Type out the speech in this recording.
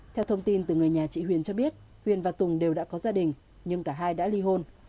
theo thông tin từ người nhà chị huyền cho biết huyền và tùng đều đã có gia đình nhưng cả hai đã ly hôn